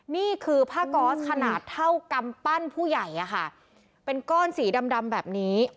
นี่คือผ้าก๊อสขนาดเท่ากำปั้นผู้ใหญ่อะค่ะเป็นก้อนสีดำดำแบบนี้